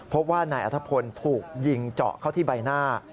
พบว่านายอัธพลถูกยิงเจาะเข้าที่ใบหน้า